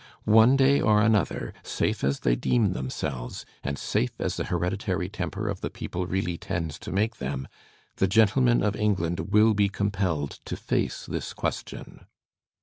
One day or another, safe as they deem themselves, and safe as the hereditaiy temper of the people really tends to make them, the gentlemen of England will be compelled to face this question."